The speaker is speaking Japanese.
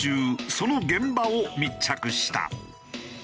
その現場を密着した。